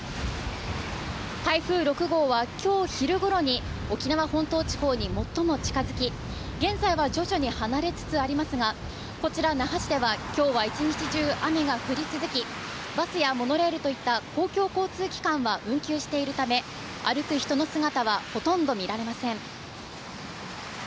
台風６号は今日昼頃に沖縄本島地方に最も近付き現在は徐々に離れつつありますが、こちら那覇市では、今日は一日中雨が降り続き、バスやモノレールといった公共交通機関は運休しているため歩く人の姿はほとんど見られません。